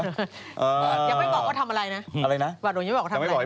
ยังไม่บอกว่าทำอะไรนะวันหลวงยังไม่บอกว่าทำอะไร